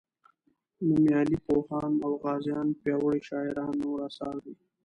نومیالي پوهان او غازیان پیاوړي شاعران نور اثار دي.